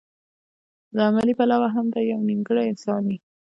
له عملي پلوه هم دی يو نيمګړی انسان وي.